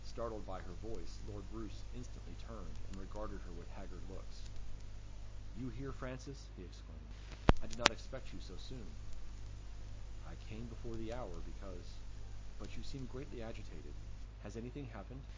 Startled by her voice, Lord Roos instantly turned, and regarded her with haggard looks. "You here, Frances?" he exclaimed; "I did not expect you so soon." "I came before the hour, because but you seem greatly agitated. Has anything happened?"